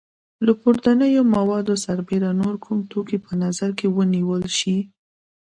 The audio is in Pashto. له پورتنیو موادو سربیره نور کوم توکي په نظر کې ونیول شي؟